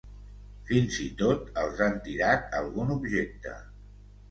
Fins i tot els han tirat algun objecte.